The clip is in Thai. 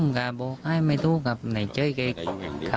เนี่ยอยู่ที่นั่นน่ะเนี่ยนะ